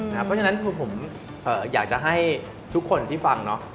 เพราะฉะนั้นผมอยากจะให้ทุกคนที่ฟัง